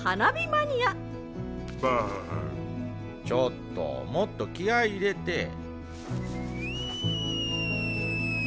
ちょっともっと気合い入れて。